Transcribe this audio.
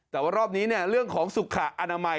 แต่ว่ารอบนี้เรื่องของสุขอนามัย